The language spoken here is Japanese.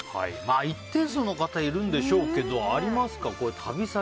一定数の方いるんでしょうけどありますか？